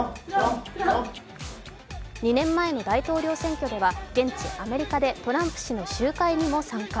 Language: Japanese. ２年前の大統領選挙では現地アメリカでトランプ氏の集会にも参加。